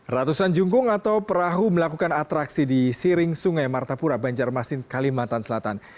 ratusan jungkung atau perahu melakukan atraksi di siring sungai martapura banjarmasin kalimantan selatan